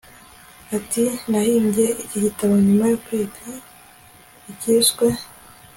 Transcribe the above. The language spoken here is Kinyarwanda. ati nahimbye iki gitabo nyuma yo kwiga icyiswe